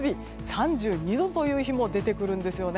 ３２度という日も出てくるんです。